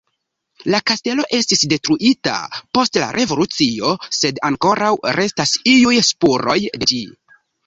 La kastelo estis detruita post la Revolucio, sed ankoraŭ restas iuj spuroj de ĝi.